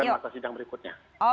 bukan maka sidang berikutnya